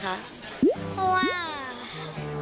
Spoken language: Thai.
เพราะว่า